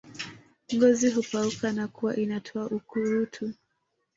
Ngozi hupauka na kuwa inatoa ukurutu